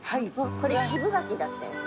これ渋柿だったやつ。